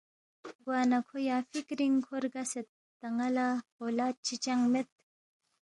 گوانہ کھو یا فِکرِنگ کھو رگسید، تا ن٘ا لہ اولاد چی چنگ مید،